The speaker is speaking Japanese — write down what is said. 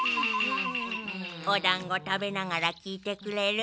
おだんご食べながら聞いてくれる？